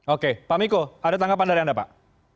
oke pak miko ada tanggapan dari anda pak